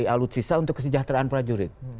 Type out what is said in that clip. mencari alut sista untuk kesejahteraan prajurit